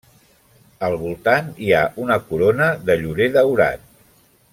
Al voltant hi ha una corona de llorer daurat.